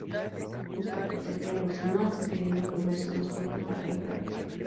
Busca proteger a los demás, queriendo volverse más fuerte para lograrlo.